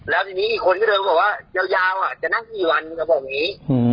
แล้วทีนี้อีกคนก็เลยบอกว่ายาวจะนั่งกี่วันกับผมนี้